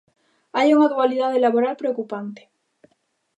Hai unha dualidade laboral preocupante.